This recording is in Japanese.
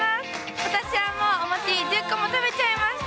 今年はもうお餅１０個も食べちゃいました。